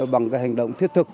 bằng hành động thiết thực